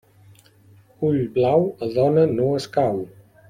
Ull blau a dona no escau.